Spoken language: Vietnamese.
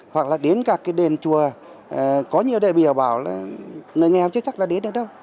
hoặc là đến các cái đền chùa có nhiều đại biểu bảo là người nghèo chưa chắc là đến được đâu